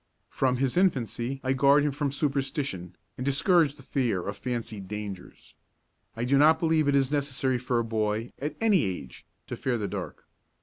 From his infancy I guard him from superstition and discourage the fear of fancied dangers. I do not believe it is necessary for a boy, at any age, to fear the dark.